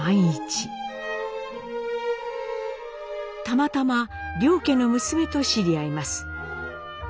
たまたま良家の娘と知り合います。